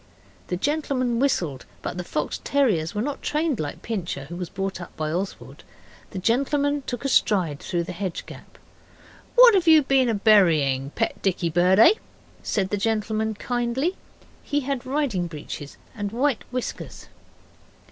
The gentleman whistled, but the fox terriers were not trained like Pincher, who was brought up by Oswald. The gentleman took a stride through the hedge gap. 'What have you been burying pet dicky bird, eh?' said the gentleman, kindly. He had riding breeches and white whiskers.